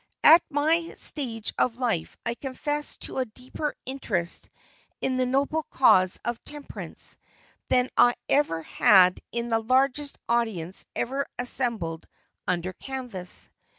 At my stage of life I confess to a deeper interest in the noble cause of temperance than I ever had in the largest audience ever assembled under canvas.